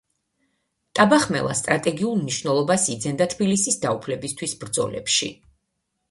ტაბახმელა სტრატეგიულ მნიშვნელობას იძენდა თბილისის დაუფლებისთვის ბრძოლებში.